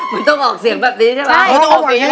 ไม่ต้องออกเสียงแบบนี้ใช่ไหม